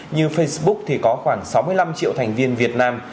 như facebook thì có khoảng sáu mươi năm triệu thành viên việt nam